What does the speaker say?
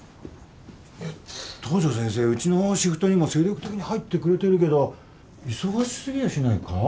東上先生うちのシフトにも精力的に入ってくれてるけど忙し過ぎやしないか？